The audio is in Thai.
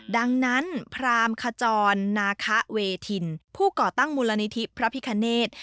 ดังนั้นพรามขจรนาคะเวทินผู้ก่อตั้งมูลนิธิพระพิคเนธ